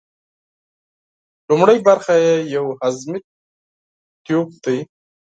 لومړۍ برخه یې یو هضمي تیوپ دی.